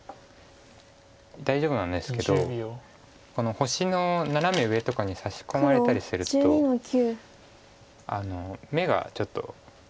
大丈夫なんですけど星のナナメ上とかにサシ込まれたりすると眼がちょっと。